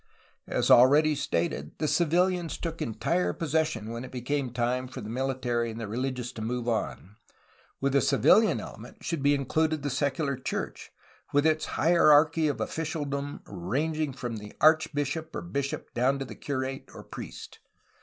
As already stated, the civilians took entire possession when it became time for the military and the religious to move on. With the civilian element should be included the secular church, with its hierarchy of officialdom ranging from archbishop or bishop down to the curate, or priest.